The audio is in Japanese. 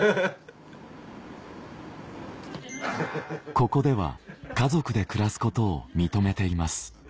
ここでは家族で暮らすことを認めています